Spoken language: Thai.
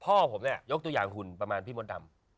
พ่อผมเนี่ยยกตัวอย่างคุณประมาณพี่มดดำ